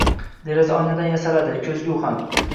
Deraza-oynadan yasaladi. Ko’zgu ham.